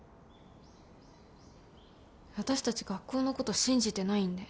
私たち学校のこと信じてないんで。